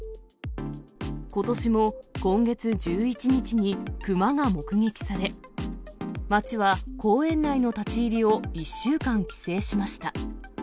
ことしも今月１１日にクマが目撃され、町は公園内の立ち入りを１週間規制しました。